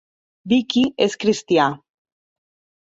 Vicky és cristià.